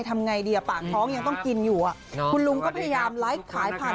ทำไงดีอ่ะปากท้องยังต้องกินอยู่คุณลุงก็พยายามไลฟ์ขายผ่าน